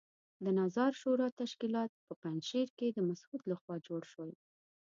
د نظار شورا تشکیلات په پنجشیر کې د مسعود لخوا جوړ شول.